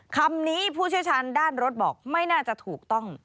คำนี้ผู้เชี่ยวชาญด้านรถบอกไม่น่าจะถูกต้อง